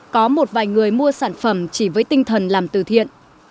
có một vài người mua sản phẩm chỉ với tinh thần làm từ thiện